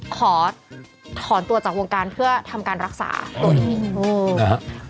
ขอถอนตัวจากวงการเพื่อทำการรักษาตัวเอง